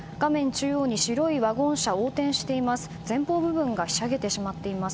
中央に白いワゴン車が横転しています。